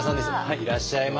いらっしゃいませ。